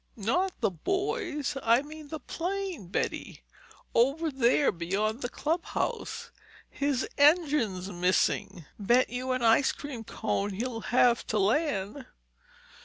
"Not the boys! I mean the plane, Betty. Over there beyond the club house. His engine's missing. Bet you an ice cream cone he'll have to land!"